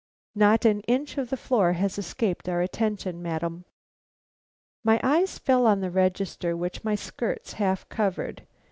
"Not an inch of the floor has escaped our attention, madam." My eyes fell on the register, which my skirts half covered.